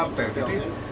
untuk semua partai